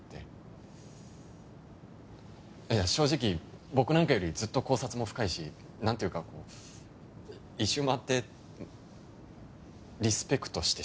いや正直僕なんかよりずっと考察も深いしなんていうかこう一周回ってリスペクトしてしまいました。